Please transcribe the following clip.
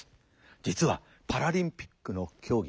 実はパラリンピックの競技